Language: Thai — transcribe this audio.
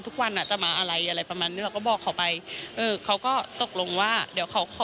ทุกวันอ่ะจะมาอะไรอะไรประมาณนี้เราก็บอกเขาไปเออเขาก็ตกลงว่าเดี๋ยวเขาขอ